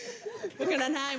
分からないよ。